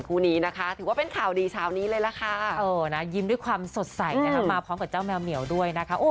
คู่นี้นะคะถือว่าเป็นข่าวดีเช้านี้เลยล่ะค่ะยิ้มด้วยความสดใสนะคะมาพร้อมกับเจ้าแมวเหมียวด้วยนะคะ